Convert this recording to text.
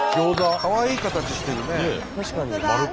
かわいい形してるね。